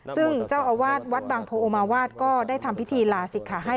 ซึ่งเจ้าอาวาสวัดบางโพโอมาวาดก็ได้ทำพิธีลาศิกขาให้